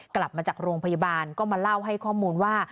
กลับมาจากโรงพยาบาลก็มาเล่าให้ข้อมูลว่า